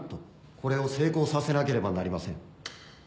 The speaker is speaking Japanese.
これを成功させなければなりません。